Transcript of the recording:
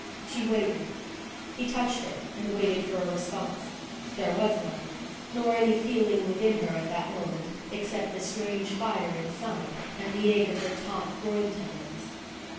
She waited. He touched her and waited for a response. There was none; nor any feeling within her at that moment except the strange fire inside and the ache of her taut groin tendons.